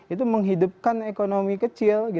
itu menghidupkan ekonomi kecil